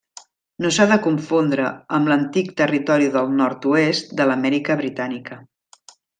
No s'ha de confondre amb l'antic Territori del Nord-oest de l'Amèrica britànica.